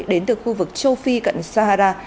đến từ khu vực châu phi cận sahara